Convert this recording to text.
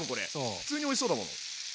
普通においしそうだもん。